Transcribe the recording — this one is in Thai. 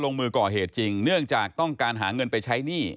ลงมือก่อเหตุจริงเนื่องจากต้องการหาเงินไปใช้หนี้